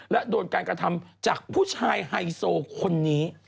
และโดนการกระทำจากผู้ชายไฮโซคนนี้